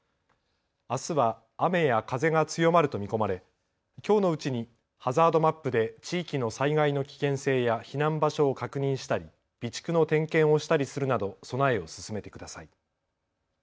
あすは雨や風が強まると見込まれきょうのうちにハザードマップで地域の災害の危険性や避難場所を確認したり備蓄の点検をしたりするなど備えを進めてください。